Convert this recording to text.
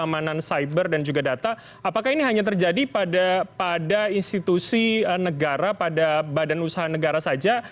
keamanan cyber dan juga data apakah ini hanya terjadi pada institusi negara pada badan usaha negara saja